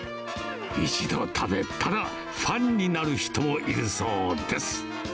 一度食べたらファンになる人もいるそうです。